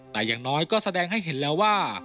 แต่อย่างน้อยก็แสดงให้เห็นแล้วว่า